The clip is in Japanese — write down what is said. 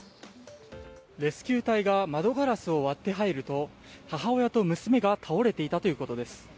レスキュー隊が窓ガラスを割って入ると母親と娘が倒れていたということです。